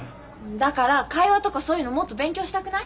だから会話とかそういうのもっと勉強したくない？